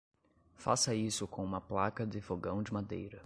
Faça isso com uma placa de fogão de madeira.